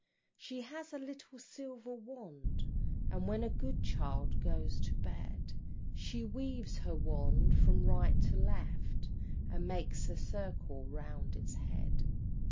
She has a little silver wand, And when a good child goes to bed She waves her wand from right to left, And makes a circle round its head.